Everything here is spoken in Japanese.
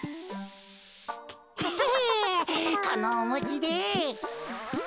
ヘヘこのおもちで。